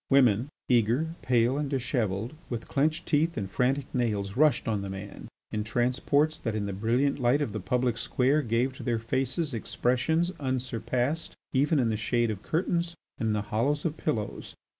Women, eager, pale, and dishevelled, with clenched teeth and frantic nails, rushed on the man, in transports that, in the brilliant light of the public square, gave to their faces expressions unsurpassed even in the shade of curtains and in the hollows of pillows.